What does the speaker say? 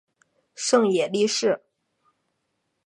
胜野莉世。